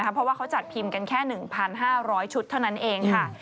เพราะว่าเขาจัดพิมพ์กันแค่๑๕๐๐ชุดเท่านั้นเองค่ะ